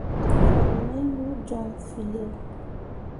Fan mai mo joŋ feelao.